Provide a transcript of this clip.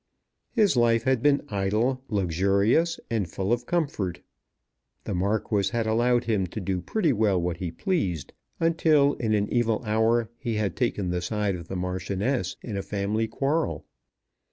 His life had been idle, luxurious, and full of comfort. The Marquis had allowed him to do pretty well what he pleased until in an evil hour he had taken the side of the Marchioness in a family quarrel.